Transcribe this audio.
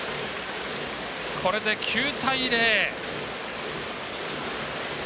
これで、９対０。